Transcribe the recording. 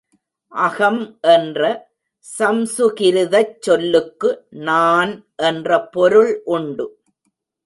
அகம் என்ற சம்சுகிருதச் சொல்லுக்கு நான் என்ற பொருள் உண்டு.